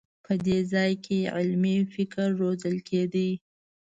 په دې ځای کې علمي فکر روزل کېده.